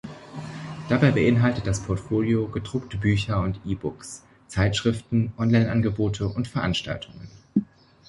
Dabei beinhaltet das Portfolio gedruckte Bücher und E-Books, Zeitschriften, Online-Angebote und Veranstaltungen.